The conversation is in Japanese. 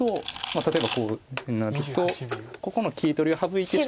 例えばこういうふうになるとここの切り取りを省いてしまって。